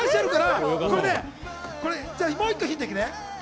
もう１個、ヒントいくね。